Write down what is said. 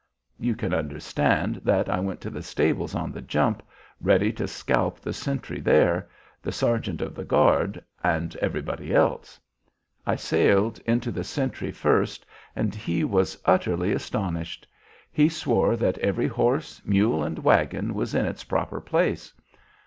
You can understand that I went to the stables on the jump, ready to scalp the sentry there, the sergeant of the guard, and everybody else. I sailed into the sentry first and he was utterly astonished; he swore that every horse, mule, and wagon was in its proper place.